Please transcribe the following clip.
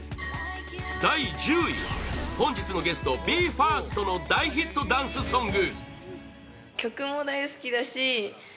第１０位は本日のゲストＢＥ：ＦＩＲＳＴの大ヒットダンスソング